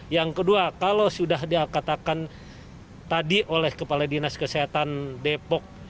yang kedua kalau sudah dikatakan tadi oleh kepala dinas kesehatan depok